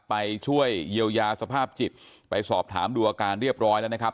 ไปช่วยเยียวยาสภาพจิตไปสอบถามดูอาการเรียบร้อยแล้วนะครับ